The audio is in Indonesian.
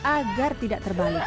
agar tidak terbalik